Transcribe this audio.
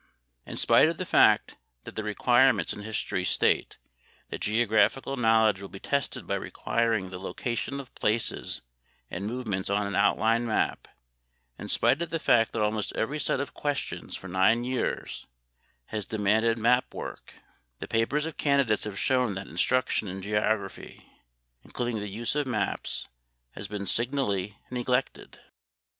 In spite of the fact that the requirements in history state that geographical knowledge will be tested by requiring the location of places and movements on an outline map, in spite of the fact that almost every set of questions for nine years has demanded map work, the papers of candidates have shown that instruction in geography, including the use of maps, has been signally neglected.